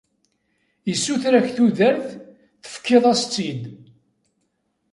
Issuter-ak tudert, tefkiḍ-as-tt-id.